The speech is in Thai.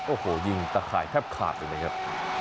โอ้โหยิงตะข่ายแทบขาดเลยนะครับ